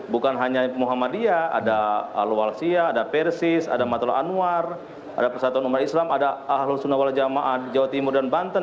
bukan hanya muhammadiyah ada al walsyah ada persis ada matul anwar ada persatuan umar islam ada ahlul sunawala jamaat jawa timur dan banten